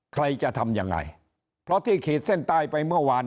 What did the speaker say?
ใครจะทำยังไงเพราะที่ขีดเส้นใต้ไปเมื่อวาน